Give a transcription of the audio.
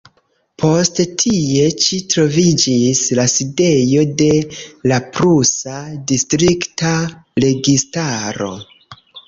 Poste tie ĉi troviĝis la sidejo de la prusa distrikta registaro.